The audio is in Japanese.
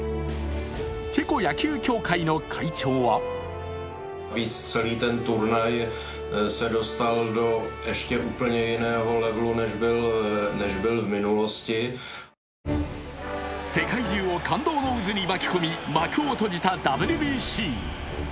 チェコ野球協会の会長は世界中を感動の渦に巻き込み幕を閉じたＷＢＣ。